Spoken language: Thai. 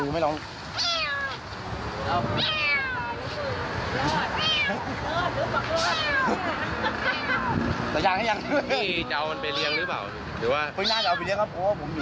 แมวร้องตั้งแต่มุดคืนนี้แล้วนะพี่